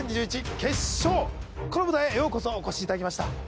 この舞台へようこそお越しいただきました